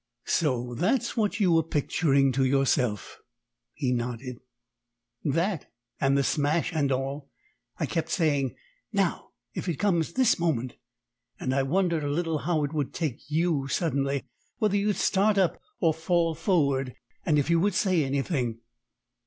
"So that's what you were picturing to yourself?" He nodded. "That, and the smash, and all. I kept saying, 'Now if it comes this moment?' And I wondered a little how it would take you suddenly: whether you'd start up or fall forward and if you would say anything."